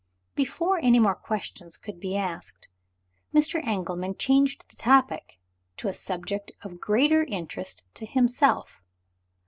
Before any more questions could be asked, Mr. Engelman changed the topic to a subject of greater interest to himself.